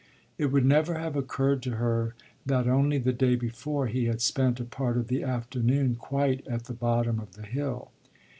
It would never have occurred to her that only the day before he had spent a part of the afternoon quite at the bottom of the hill.